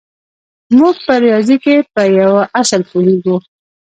موږ په ریاضي کې په یوه اصل پوهېږو